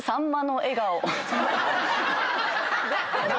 何？